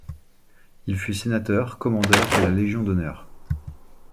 Il fut Sénateur, commandeur de la Légion d'honneur.